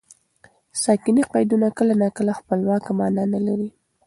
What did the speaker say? ساکني قیدونه کله ناکله خپلواکه مانا نه لري.